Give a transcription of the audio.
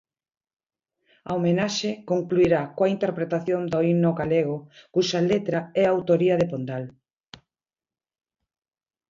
A homenaxe concluirá coa interpretación do Himno galego, cuxa letra é autoría de Pondal.